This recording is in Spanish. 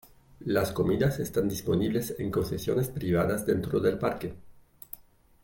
Las comidas están disponibles en concesiones privadas dentro del parque.